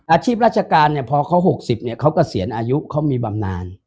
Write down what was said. อาชีพราชการเนี่ยพอเขา๖๐เนี่ยเขาเกษียณอายุเขามีบำนาน